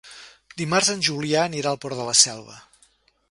Dimarts en Julià anirà al Port de la Selva.